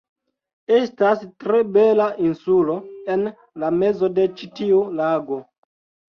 Estas tre bela insulo, en la mezo de ĉi tiu lago